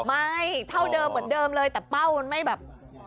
ไม่เท่าเดิมเหมือนเดิมเลยแต่เป้ามันไม่แบบ